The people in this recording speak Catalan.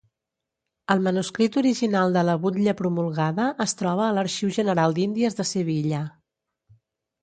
El manuscrit original de la butlla promulgada es troba a l'Arxiu General d'Índies de Sevilla.